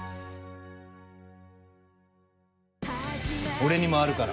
「俺にもあるから。